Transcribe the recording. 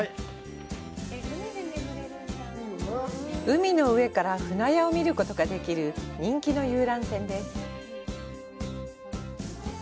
海の上から舟屋を見ることができる人気の遊覧船です。